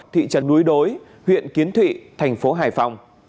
thị trấn núi đối huyện kiến thụy thành phố hải phòng